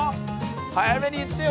早めに言ってよ